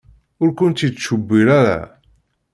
Ur kent-yettcewwil ara.